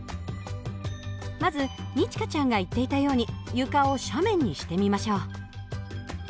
まず二千翔ちゃんが言っていたように床を斜面にしてみましょう。